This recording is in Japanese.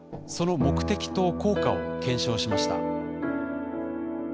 その目的と効果を検証しました。